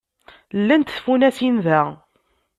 Llant tfunasin da.